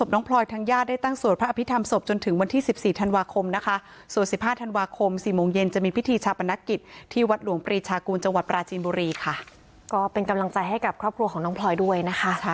น่าจะช่วยให้เด็กมีความสุขในการเรียน